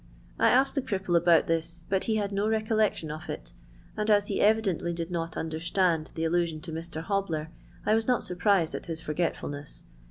I asked the cripple about this, but he had no recollection of it ; and, as he evidently did not understand the allusion to Mr. Hobbler, I was not surprised at his forgetful ness.